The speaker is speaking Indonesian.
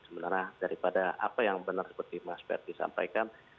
sebenarnya daripada apa yang benar seperti mas ferdi sampaikan